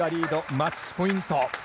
マッチポイント。